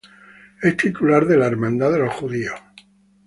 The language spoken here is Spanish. Es titular de la Hermandad de Los Judíos.